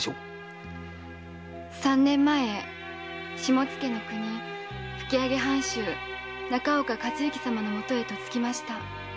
三年前下野国吹上藩主・中岡和之様のもとへ嫁ぎました。